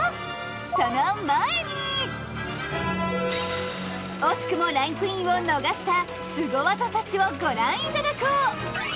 その前に惜しくもランクインを逃したすご技たちをご覧いただこう！